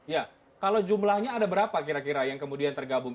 ya kalau jumlahnya ada berapa kira kira yang kemudian tergabung